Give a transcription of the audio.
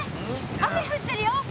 雨降ってるよ！